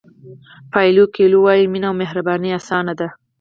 پایلو کویلو وایي مینه او مهرباني اسانه ده.